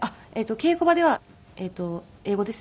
稽古場では英語ですね。